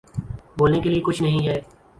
بولنے کے لیے کچھ نہیں ہے